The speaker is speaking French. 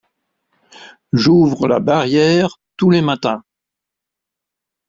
J’ouvre la barrière tous les matins.